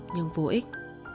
nhưng vô ích